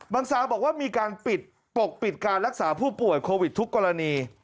ซาบอกว่ามีการปิดปกปิดการรักษาผู้ป่วยโควิดทุกกรณี